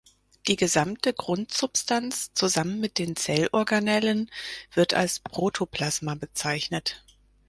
Die gesamte Grundsubstanz, zusammen mit den Zellorganellen, wird als Protoplasma bezeichnet.